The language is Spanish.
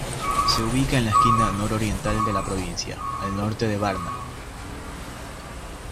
Se ubica en la esquina nororiental de la provincia, al norte de Varna.